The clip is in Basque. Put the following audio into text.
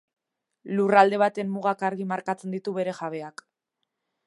Lurralde baten mugak argi markatzen ditu bere jabeak.